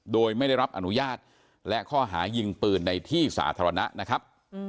โดยไม่ได้รับอนุญาตและข้อหายิงปืนในที่สาธารณะนะครับ